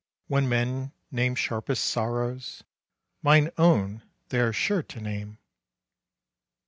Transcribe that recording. When men name sharpest sorrows, Mine own they are sure to name.